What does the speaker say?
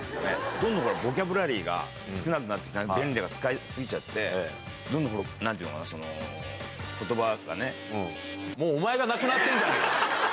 どんどんボキャブラリーが少なくなって、便利だから使い過ぎちゃって、どんどんなんていうのかな、もうお前がなくなってるだろ。